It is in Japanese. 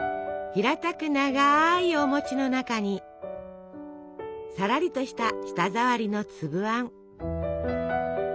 平たく長いおの中にさらりとした舌触りのつぶあん。